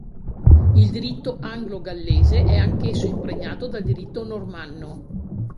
Il diritto anglo-gallese è anch'esso impregnato dal diritto normanno.